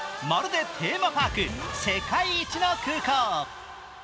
まるでテーマパーク、世界一の空港。